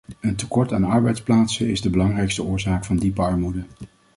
Een tekort aan arbeidsplaatsen is de belangrijkste oorzaak van diepe armoede.